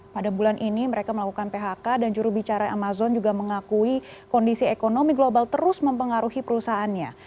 pada bulan ini mereka melakukan phk dan jurubicara amazon juga mengakui kondisi ekonomi global terus mempengaruhi perusahaannya